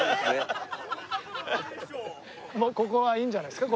もうここはいいんじゃないですか？